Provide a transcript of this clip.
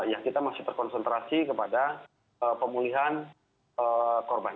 ya kita masih berkonsentrasi kepada pemulihan korban